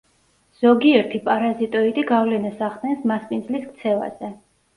ზოგიერთი პარაზიტოიდი გავლენას ახდენს მასპინძლის ქცევაზე.